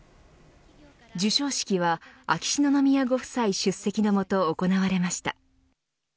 授賞式は秋篠宮ご夫妻出席のもと行われました。